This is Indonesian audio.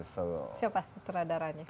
siapa setelah darahnya